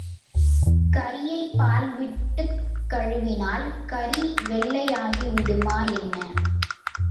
கரியைப் பால் விட்டுக் கழுவினால் கரி வெள்ளையாகிவிடுமா, என்ன?